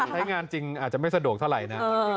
ใช้งานจริงอาจจะไม่สะดวกเท่าไหร่นะ